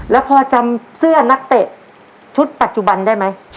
แล้วพอจำเสื้อนักเตะชุดปัจจุบันได้ไหม